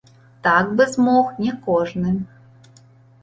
Так бы змог не кожны.